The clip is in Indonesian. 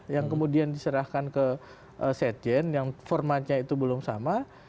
yang kemudian diserahkan ke sekjen yang formatnya itu belum sama